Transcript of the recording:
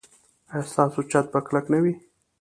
ایا ستاسو چت به کلک نه وي؟